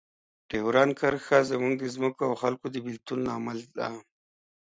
ډیورنډ کرښه زموږ د ځمکو او خلکو د بیلتون لامل ده.